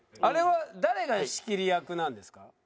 あれは誰が仕切り役なんですか？